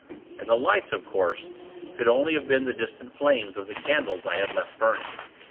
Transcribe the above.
And the lights, of course, could only have been the distant flames of the candles, I had left burning.